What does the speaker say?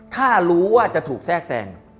ถ้ารู้ว่าจะถูกแทรกแทรง